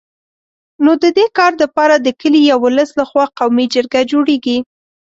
نو د دي کار دپاره د کلي یا ولس له خوا قومي جرګه جوړېږي